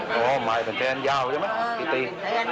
กี่ตี